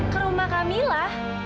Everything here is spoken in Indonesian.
ke rumah kamila